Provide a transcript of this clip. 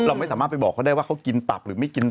เราไม่สามารถไปบอกเขาได้ว่าเขากินตับหรือไม่กิน